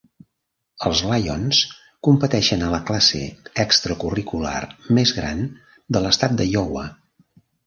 Els Lions competeixen a la classe extracurricular més gran de l'estat d'Iowa.